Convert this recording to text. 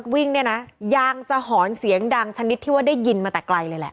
วิ่งเนี่ยนะยางจะหอนเสียงดังชนิดที่ว่าได้ยินมาแต่ไกลเลยแหละ